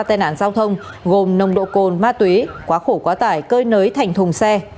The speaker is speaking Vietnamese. tai nạn giao thông gồm nồng độ cồn ma túy quá khổ quá tải cơi nới thành thùng xe